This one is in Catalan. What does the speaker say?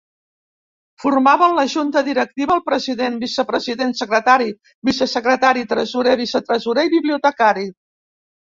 Formaven la Junta directiva el president, vicepresident, secretari, vicesecretari, tresorer, vicetresorer i bibliotecari.